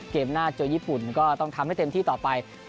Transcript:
หน้าเจอญี่ปุ่นก็ต้องทำให้เต็มที่ต่อไป